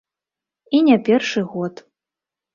І не першы год.